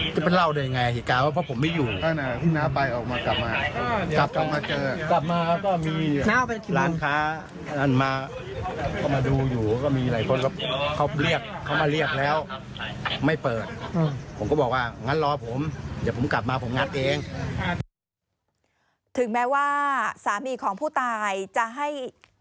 ถึงแม้ว่าสามีของผู้ตายจะให้